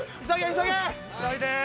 急いで！